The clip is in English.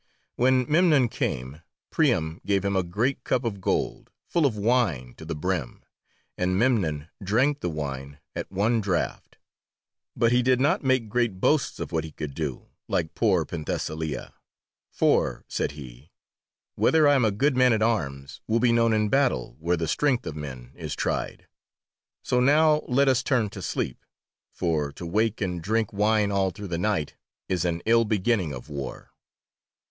When Memnon came, Priam gave him a great cup of gold, full of wine to the brim, and Memnon drank the wine at one draught. But he did not make great boasts of what he could do, like poor Penthesilea, "for," said he, "whether I am a good man at arms will be known in battle, where the strength of men is tried. So now let us turn to sleep, for to wake and drink wine all through the night is an ill beginning of war."